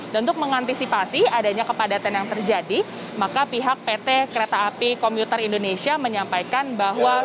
dan untuk mengantisipasi adanya kepadatan yang terjadi maka pihak pt kereta api komuter indonesia menyampaikan bahwa